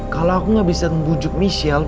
kalo aku gak bisa ngebujuk michelle